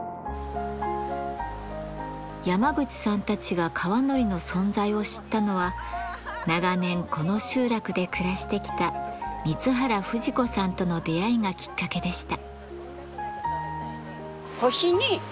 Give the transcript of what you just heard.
山口さんたちが川海苔の存在を知ったのは長年この集落で暮らしてきた三津原ふじ子さんとの出会いがきっかけでした。